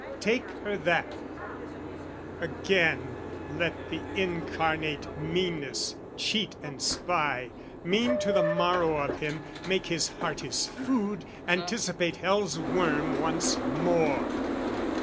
"Take her that!" "Again "Let the incarnate meanness, cheat and spy, "Mean to the marrow of him, make his heart "His food, anticipate hell's worm once more!